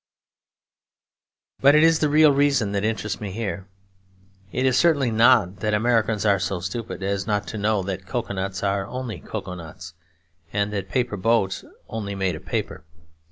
But it is the real reason that interests me here. It is certainly not that Americans are so stupid as not to know that cocoa nuts are only cocoa nuts and paper boats only made of paper.